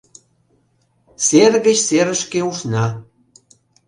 Сер гыч серышке ушна.